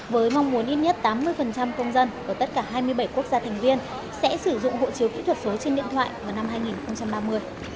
với mong muốn ít nhất tám mươi công dân ở tất cả hai mươi bảy quốc gia thành viên sẽ sử dụng hộ chiếu kỹ thuật số trên điện thoại vào năm hai nghìn ba mươi